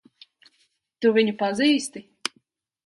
Tu viņu pazīsti?